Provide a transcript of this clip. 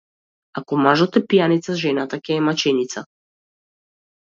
Ако мажот е пијаница, жената ќе е маченица.